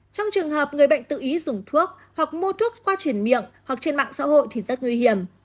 trong trường hợp người bệnh tự ý dùng thuốc hoặc mua thuốc qua chuyển miệng hoặc trên mạng xã hội thì rất nguy hiểm